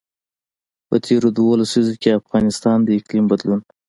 په تېرو دوو لسیزو کې افغانستان د اقلیم بدلون.